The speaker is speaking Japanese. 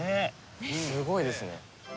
すごいですね。